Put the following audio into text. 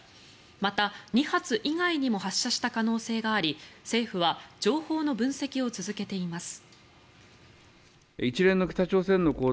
また、２発以外にも発射した可能性があり政府は情報の分析を続けています。